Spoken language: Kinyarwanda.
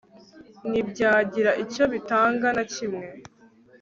ntibyagira icyo bitanga na kimwe